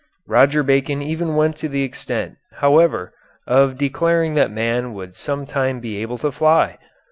Roger Bacon even went to the extent, however, of declaring that man would some time be able to fly.